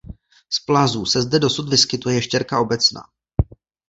Z plazů se zde dosud vyskytuje ještěrka obecná.